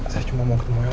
saya cuma mau ketemu elsa